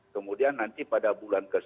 kemudian nanti pada bulan ke sepuluh